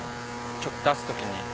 ちょっと出すときに。